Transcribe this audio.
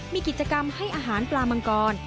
มีกิจกรรมให้อาหารปลามังกร